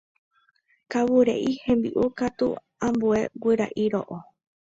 Kavureʼi hembiʼu katu ambue guyraʼi roʼo.